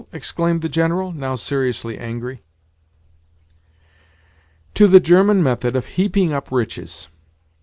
exclaimed the General, now seriously angry. "To the German method of heaping up riches.